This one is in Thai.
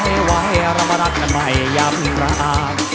ไหวไหวเรามารักกันไปอย่าเพิ่งรัก